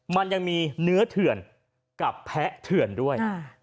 มันยังมีเนื้อเถื่อนกับแพะเถื่อนด้วย